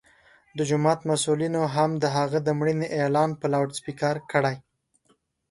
د جومات مسؤلینو هم د هغه د مړینې اعلان په لوډسپیکر کړی.